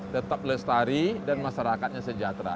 tetap lestari dan masyarakatnya sejahtera